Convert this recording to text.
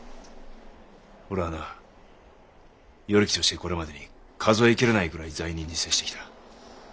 俺はな与力としてこれまでに数え切れないぐらい罪人に接してきた。